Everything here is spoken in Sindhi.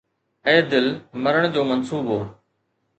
اي دل، مرڻ جو منصوبو